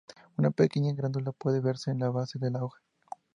Una pequeña glándula puede verse en la base de la hoja.